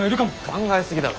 考えすぎだろ。